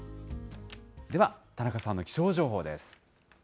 では、田中さんの気象情報です。